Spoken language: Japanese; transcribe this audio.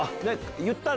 言ったの？